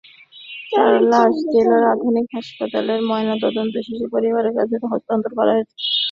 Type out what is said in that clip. তাঁর লাশ জেলার আধুনিক হাসপাতালে ময়নাতদন্ত শেষে পরিবারের কাছে হস্তান্তর করা হয়েছে।